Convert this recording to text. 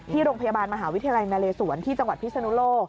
โรงพยาบาลมหาวิทยาลัยนาเลสวนที่จังหวัดพิศนุโลก